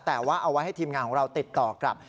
แต่ว่าเอาไว้ให้ทีมงานของเราติดต่อกลับ